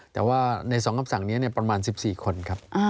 แต่ว่าในสองคำสั่งนี้เนี่ยประมาณสิบสี่คนครับ